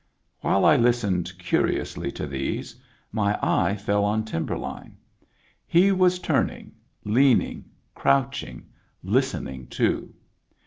While I listened curiously to these, my eye fell on Timberline. He was turning, leaning, crouching, listening too.